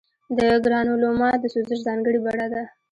د ګرانولوما د سوزش ځانګړې بڼه ده.